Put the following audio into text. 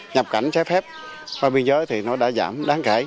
nhập cảnh trái phép qua biên giới thì nó đã giảm đáng kể